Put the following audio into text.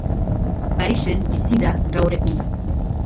Parisen bizi da gaur egun.